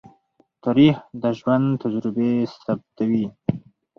تاریخ د ژوند تجربې ثبتوي.